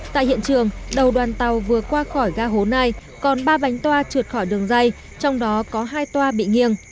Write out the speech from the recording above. tại hiện trường đầu đoàn tàu vừa qua khỏi ga hố nai còn ba bánh toa trượt khỏi đường dây trong đó có hai toa bị nghiêng